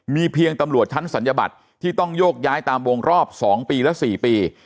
มีเพียงตำรวจชั้นศัลยบัตรที่ต้องโยกย้ายตามวงรอบ๒ปีและ๔ปี